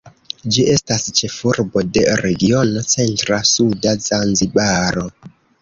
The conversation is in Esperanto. Ĝi estas ĉefurbo de regiono Centra-Suda Zanzibaro.